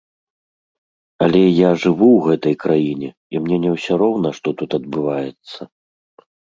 Але я жыву ў гэтай краіне, і мне не ўсё роўна, што тут адбываецца.